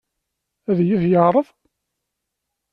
Ad iyi-t-yeɛṛeḍ?